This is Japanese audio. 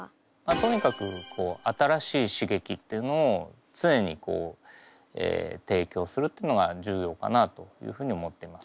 とにかく新しい刺激っていうのを常に提供するっていうのが重要かなというふうに思っています。